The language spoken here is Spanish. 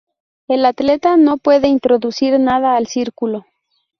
El atleta no puede introducir nada al círculo.